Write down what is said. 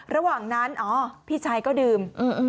ระหว่างนั้นอ๋อพี่ชายก็ดื่ม